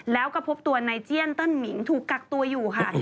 แล้วก็พบตัวนายเจียนเติ้ลหมิงถูกกักตัวอยู่ค่ะ